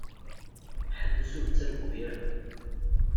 Ḥbes ur ttargu ara.